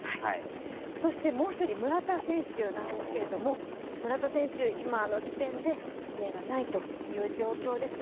そしてもう一人、村田選手なんですけど、今の時点で指名がないという状況ですが。